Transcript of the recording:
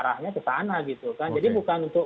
arahnya ke sana gitu kan jadi bukan untuk